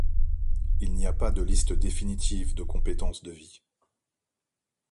Il n'y a pas de liste définitive de compétences de vie.